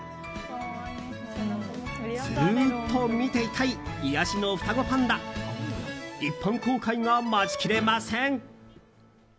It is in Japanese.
ずーっと見ていたい癒やしの双子パンダ一般公開が待ちきれません。